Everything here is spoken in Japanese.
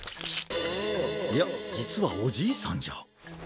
いやじつはおじいさんじゃ。